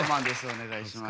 お願いします。